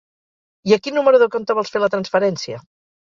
I a quin número de compte vols fer la transferència?